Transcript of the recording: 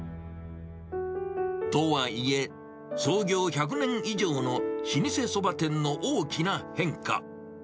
とはいえ、創業１００年以上の老舗そば店の大きな変化。